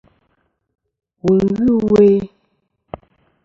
Wù n-ghɨ ɨwe.